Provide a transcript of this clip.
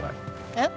えっ？